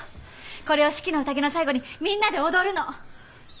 これを「四季の宴」の最後にみんなで踊るの。